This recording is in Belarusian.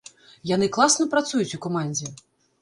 Яны класна працуюць у камандзе.